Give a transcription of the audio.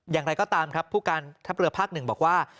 อย่างไรก็ตามครับผู้การทัพเรือภาคหนึ่งบอกว่า